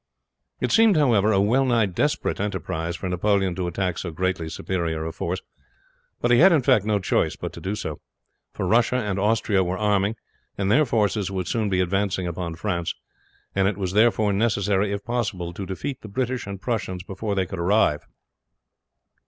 It seemed, however, a well nigh desperate enterprise for Napoleon to attack so greatly superior a force. But he had, in fact, no choice but to do so; for Russia and Austria were arming, and their forces would soon be advancing upon France, and it was therefore necessary if possible to defeat the British and Prussians before they could arrive.